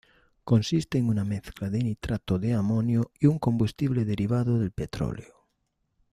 Consiste en una mezcla de nitrato de amonio y un combustible derivado del petróleo.